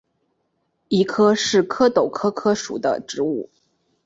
谊柯是壳斗科柯属的植物。